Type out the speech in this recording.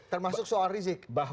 termasuk soal rizik